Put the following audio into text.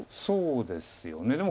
そうですよね。